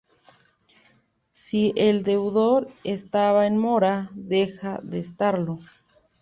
Si el deudor estaba en mora, deja de estarlo.